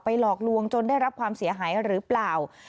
หลอกลวงจนได้รับความเสียหายหรือเปล่า